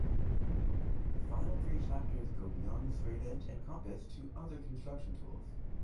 The final three chapters go beyond the straightedge and compass to other construction tools.